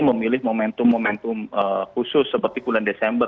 memilih momentum momentum khusus seperti bulan desember